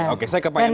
oke saya ke payungan